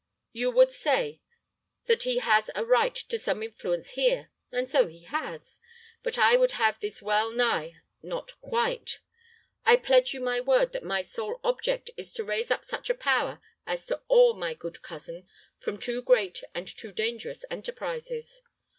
You would say that he has a right to some influence here, and so he has. But I would have this well nigh, not quite. I pledge you my word that my sole object is to raise up such a power as to awe my good cousin from too great and too dangerous enterprises.